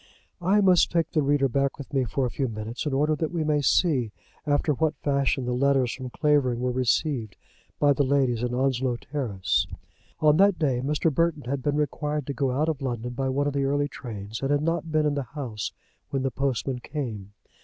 I must take the reader back with me for a few minutes, in order that we may see after what fashion the letters from Clavering were received by the ladies in Onslow Terrace. On that day Mr. Burton had been required to go out of London by one of the early trains, and had not been in the house when the postman came.